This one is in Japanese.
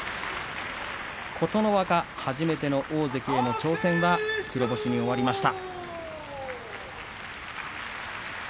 琴ノ若、初めての大関への挑戦黒星に終わりました。